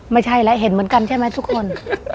ไม่ใช่แล้วเห็นเหมือนกันใช่ไหมทุกคน